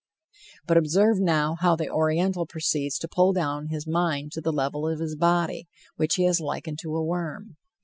But observe now how the Oriental proceeds to pull down his mind to the level of his body, which he has likened to a worm.